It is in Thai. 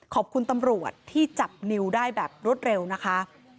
ขอบคุณตำรวจที่จับนิวได้แบบรวดเร็วนะคะ